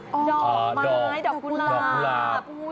ดอกไม้ดอกกุหลาบดอกกุหลาบ